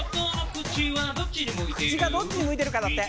口がどっちに向いてるかだって。